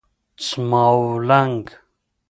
څماولنګ